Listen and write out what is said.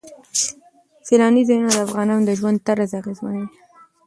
سیلانی ځایونه د افغانانو د ژوند طرز اغېزمنوي.